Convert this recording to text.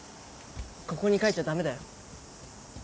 ここに描いちゃダメだよ。